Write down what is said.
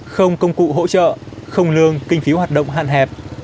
không công cụ hỗ trợ không lương kinh phí hoạt động hạn hẹp